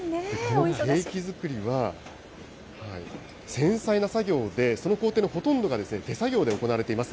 ケーキ作りは、繊細な作業で、その工程のほとんどが手作業で行われています。